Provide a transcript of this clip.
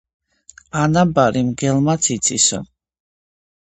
ანაბარი მგელმაც იცისო.